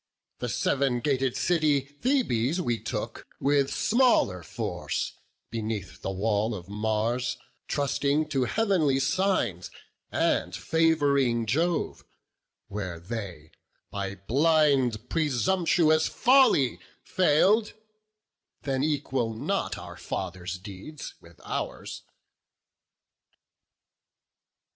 The seven gated city, Thebes, we took, With smaller force beneath the wall of Mars, Trusting to heav'nly signs, and fav'ring Jove, Where they by blind, presumptuous folly fail'd; Then equal not our fathers' deeds with ours."